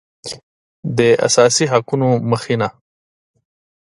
د اساسي حقوقو مخینه